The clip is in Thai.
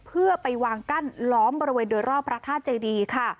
เพื่อไปวางกั้นล้อมบริเวณโดยรอบพระธาตุเจดีค่ะ